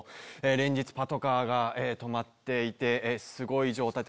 連日パトカーが停まっていてすごい状態で。